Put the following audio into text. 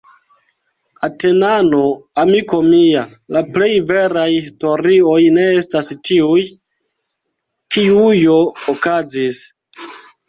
Atenano, amiko mia, la plej veraj historioj ne estas tiuj, kiujo okazis.